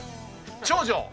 長女？